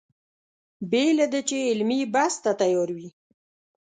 بې له دې چې علمي بحث ته تیار وي.